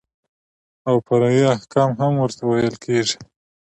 او فرعي احکام هم ورته ويل کېږي.